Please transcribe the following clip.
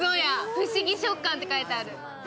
不思議食感って書いてある。